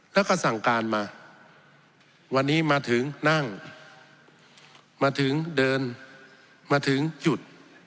แล้วก็สั่งการมาวันนี้มาถึงนั่งมาถึงเดินมาถึงจุด